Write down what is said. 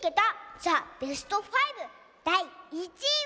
ザ・ベスト５」だい１いは。